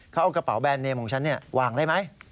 เขาเอากระเป๋าแบรนเนมของฉันวางได้ไหม